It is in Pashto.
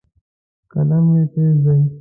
قلم مې تیز دی.